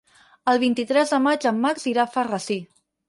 El vint-i-tres de maig en Max irà a Alfarrasí.